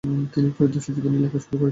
তিনি ফেরদৌসীর জীবনী লেখা শুরু করেছিলেন।